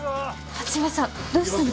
一さんどうしたの？